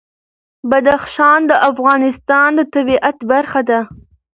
بدخشان د افغانستان د طبیعت برخه ده.